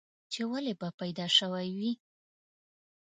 چې ولې به پيدا شوی وې؟